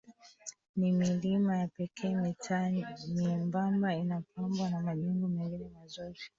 Ni milima ya pekee mitaa myembamba inapambwa na majengo mengine mazuri